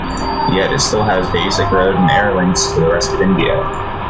Yet, it still has basic road and air links to the rest of India.